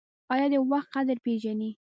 ایا د وخت قدر پیژنئ؟